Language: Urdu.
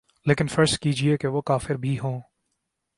لیکن فرض کیجیے کہ وہ کافر بھی ہوں۔